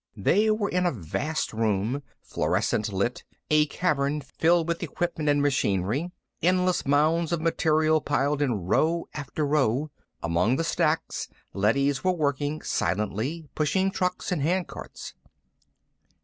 They were in a vast room, fluorescent lit, a cavern filled with equipment and machinery, endless mounds of material piled in row after row. Among the stacks, leadys were working silently, pushing trucks and handcarts.